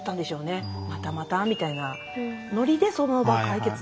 「またまた」みたいなノリでその場は解決できる。